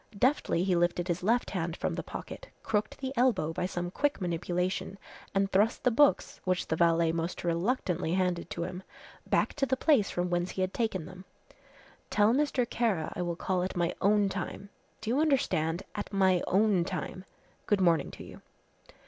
Deftly he lifted his left hand from the pocket, crooked the elbow by some quick manipulation, and thrust the books, which the valet most reluctantly handed to him, back to the place from whence he had taken them. "Tell Mr. Kara I will call at my own time do you understand, at my own time. Good morning to you."